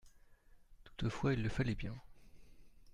Toutefois il le fallait bien.